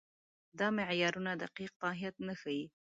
دا معیارونه دقیق ماهیت نه ښيي.